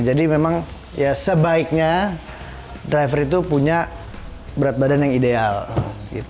jadi memang ya sebaiknya driver itu punya berat badan yang ideal gitu